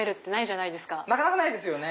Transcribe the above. なかなかないですよね。